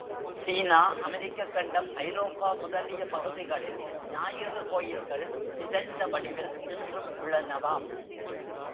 சீனா, அமெரிக்கக் கண்டம், ஐரோப்பா முதலிய பகுதிகளில் ஞாயிறு கோயில்கள் சிதைந்த வடிவில் இன்றும் உள்ளனவாம்.